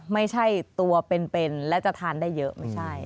ไม่ใช่ตัวเป็นและจะทานได้เยอะไม่ใช่